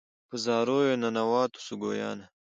په زاریو ننواتو سوه ګویانه